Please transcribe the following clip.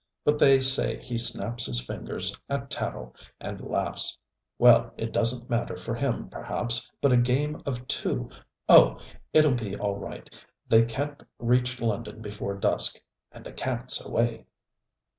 But they say he snaps his fingers at tattle, and laughs. Well, it doesn't matter for him, perhaps, but a game of two.... Oh! it'll be all right. They can't reach London before dusk. And the cat's away.'